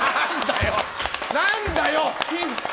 何だよ！